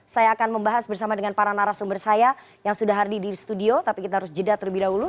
saya akan membahas bersama dengan para narasumber saya yang sudah hardi di studio tapi kita harus jeda terlebih dahulu